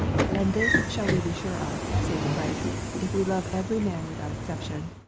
And this shall we be sure of, saith Christ, if we love every man with out exception.